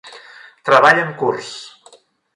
Treball en curs.